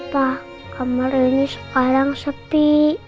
pak kamar ini sekarang sepi